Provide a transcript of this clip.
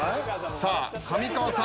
さあ上川さん。